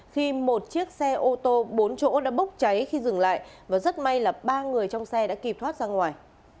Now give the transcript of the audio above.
khi một chiếc xe ô tô bốn chỗ đã bốc cháy khi dừng lại và rất may là ba người trong xe đã kịp thoát ra ngoài